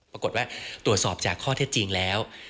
ปรากฏว่าตรวจสอบจากข้อเท็จจริงแล้ว